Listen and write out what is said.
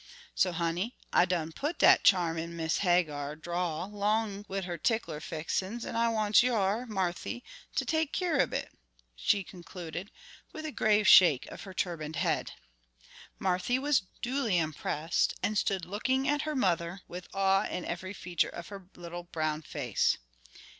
So, honey, I done put dat charm in Missee Hagar draw 'long wid her tickler fixins an' I wants yer, Marthy, to take keer ob it," she concluded, with a grave shake of her turbanned head. Marthy was duly impressed, and stood looking at her mother with awe in every feature of her little brown face.